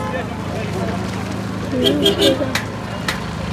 厚床车站的铁路车站。